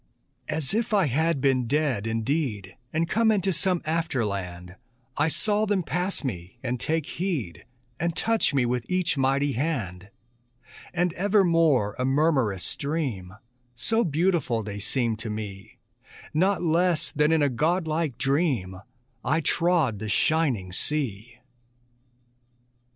As if I had been dead indeed, And come into some after land, I saw them pass me, and take heed, And touch me with each mighty hand; And evermore a murmurous stream, So beautiful they seemed to me, Not less than in a godlike dream I trod the shining sea.